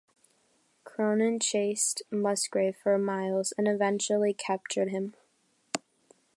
Cronin chased Musgrave for miles and eventually captured him.